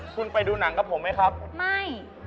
คุณไปดูหนังกับผมไหมครับไม่